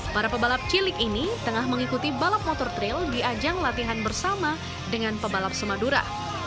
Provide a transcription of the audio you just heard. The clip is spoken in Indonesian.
para pebalap cilik ini tengah mengikuti balap motor trail di ajang latihan bersama dengan pebalap semadura